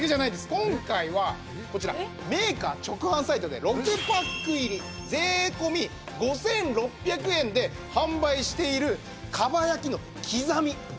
今回はこちらメーカー直販サイトで６パック入り税込５６００円で販売しているかば焼きのきざみ。